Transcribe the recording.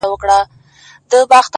هغه د هر مسجد و څنگ ته ميکدې جوړي کړې ـ